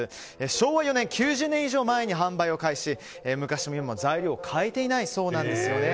昭和４年９０年以上前に販売を開始し昔も今も材料を変えていないそうなんですよね。